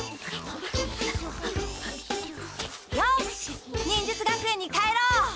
よし忍術学園に帰ろう！